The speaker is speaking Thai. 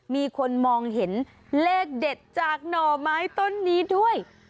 มีคนมองเห็นเลขเด็ดจากหน่อไม้ต้นนี้ด้วย